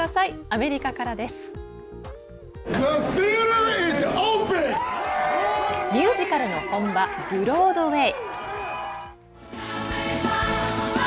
ミュージカルの本場ブロードウェイ。